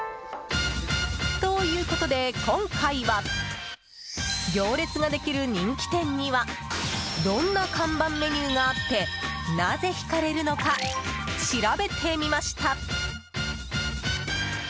ということで今回は行列ができる人気店にはどんな看板メニューがあってなぜ引かれるのか調べてみました。